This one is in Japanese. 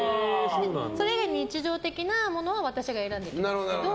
それ以外の日常的なものは私が選んでますけど。